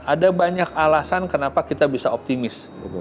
ada banyak alasan kenapa kita bisa optimis